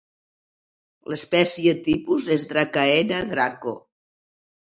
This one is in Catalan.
L'espècie tipus és Dracaena Draco.